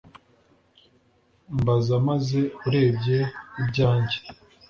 Mbaza maze urebe ibyange